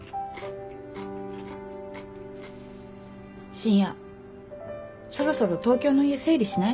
深夜そろそろ東京の家整理しない？